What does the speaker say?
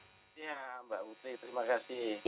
ya mbak putri terima kasih